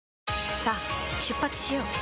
さあ出発しよう。